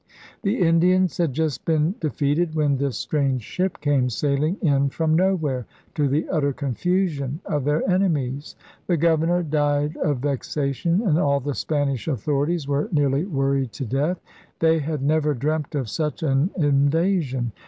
The Indians had just been de feated when this strange ship came sailing in from nowhere, to the utter confusion of their enemies. The governor died of vexation, and all the Spanish authorities were nearly worried to death. They had never dreamt of such an inva sion.